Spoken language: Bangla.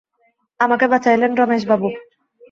আমাকে বাঁচাইলেন রমেশবাবু।